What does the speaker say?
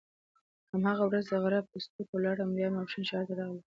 په هماغه ورځ د غره پوستو ته ولاړم او بیا ماپښین ښار ته راغلم.